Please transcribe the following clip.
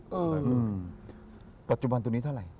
ปัจจุบันตัวนี้เท่าไหร่